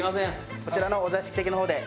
こちらのお座敷席の方で。